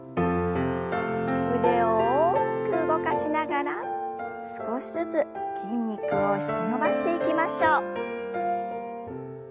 腕を大きく動かしながら少しずつ筋肉を引き伸ばしていきましょう。